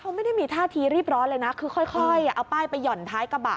เขาไม่ได้มีท่าทีรีบร้อนเลยนะคือค่อยเอาป้ายไปหย่อนท้ายกระบะ